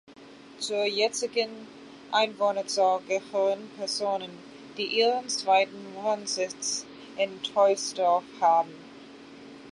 Zur jetzigen Einwohnerzahl gehören Personen, die ihren zweiten Wohnsitz in Troisdorf haben.